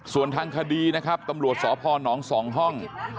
ส่วนทางคดีนะครับตำรวจสพน๒ห้อง